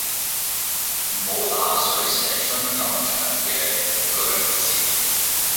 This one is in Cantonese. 唔好打水蛇春咁長嘅句字